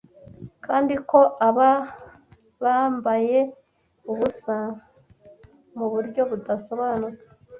Kandi ko aba bambaye ubusa mu buryo budasobanutse